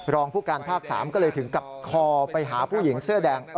รองผู้การภาค๓ก็เลยถึงกับคอไปหาผู้หญิงเสื้อแดง